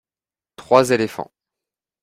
trois éléphants.